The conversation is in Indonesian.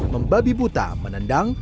membabi buta menendang